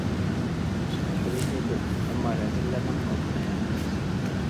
سۈكۈت قىلىشنى بىل، ئەممە رەزىللەرنىڭ ئالدىدا ئەمەس!